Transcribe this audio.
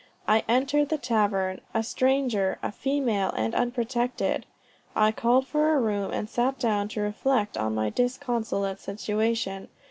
I entered the tavern a stranger, a female and unprotected. I called for a room and sat down to reflect on my disconsolate situation.